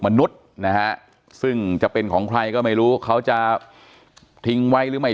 มนุษย์นะฮะซึ่งจะเป็นของใครก็ไม่รู้เขาจะทิ้งไว้หรือไม่